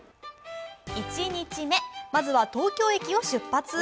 １日目、まずは東京駅を出発。